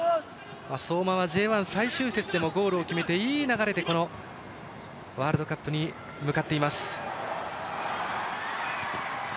相馬はＪ１最終節でもゴールを決めて、いい流れでワールドカップに向かっています。